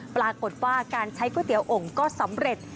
ปรากฏว่าการใช้ก๋วยเตี๋ยองค์ก็สำเร็จ